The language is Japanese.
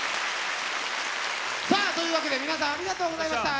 さあというわけで皆さんありがとうございました。